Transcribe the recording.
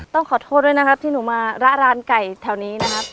ต้องขอโทษด้วยนะครับที่หนูมาระร้านไก่แถวนี้นะครับ